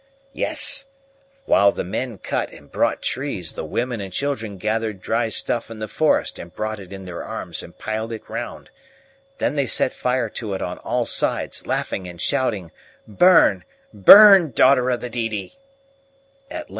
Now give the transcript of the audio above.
"Yes. While the men cut and brought trees, the women and children gathered dry stuff in the forest and brought it in their arms and piled it round. Then they set fire to it on all sides, laughing and shouting: 'Burn, burn, daughter of the Didi!